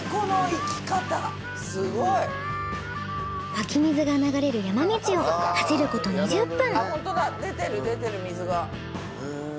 湧き水が流れる山道を走ること２０分。